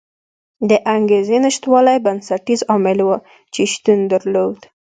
د انګېزې نشتوالی بنسټیز عامل و چې شتون درلود.